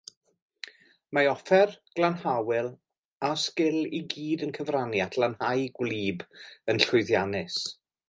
Mae offer, glanhawyr a sgìl i gyd yn cyfrannu at lanhau gwlyb yn llwyddiannus.